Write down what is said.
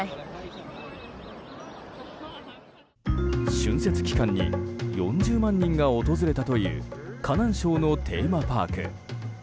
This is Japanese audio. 春節期間に４０万人が訪れたという河南省のテーマパーク。